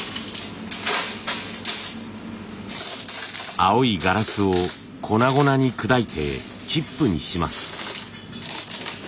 青いガラスを粉々に砕いてチップにします。